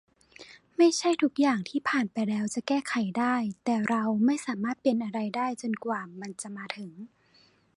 ไม่ใช่ทุกอย่างที่ผ่านไปแล้วจะแก้ไขได้ แต่เราไม่สามารถเปลี่ยนอะไรได้จนกว่ามันจะมาถึง